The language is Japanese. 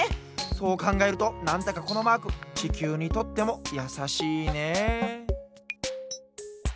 そうかんがえるとなんだかこのマークちきゅうにとってもやさしいねえ。